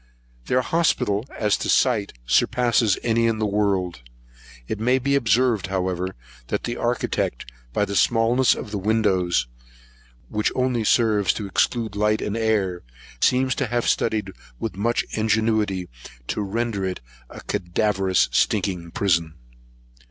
Their hospital, as to scite, surpasses any in the world. It may be observed, however, that the architect, by the smallness of the windows, which only serve to exclude the light and air, seems to have studied, with much ingenuity, to render it a cadaverous stinking prison.